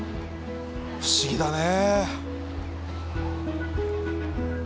不思議だね。